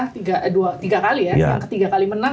yang ketiga kali menang tiga kali menang